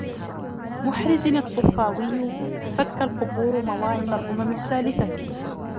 مُحْرِزٍ الطُّفَاوِيُّ كَفَتْك الْقُبُورُ مَوَاعِظَ الْأُمَمِ السَّالِفَةِ